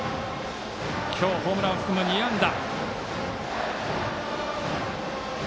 今日、ホームランを含む２安打。